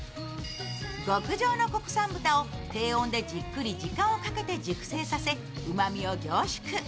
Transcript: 極上の国産豚を低温でじっくり時間をかけて熟成させうまみを凝縮。